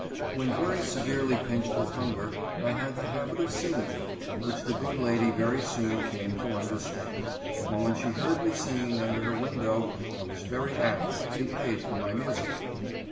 When very severely pinched with hunger, I had the habit of singing, which the good lady very soon came to under HOW HE LIVED. 85 stand, and when she heard me singing under her window I was very apt to be paid for my music.